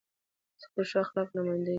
زه د ښو اخلاقو نماینده یم.